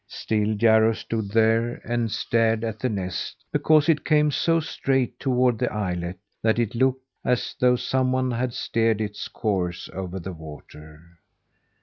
Still Jarro stood there and stared at the nest, because it came so straight toward the islet that it looked as though someone had steered its course over the water.